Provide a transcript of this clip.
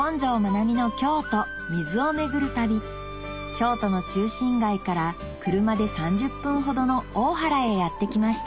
京都の中心街から車で３０分ほどの大原へやって来ました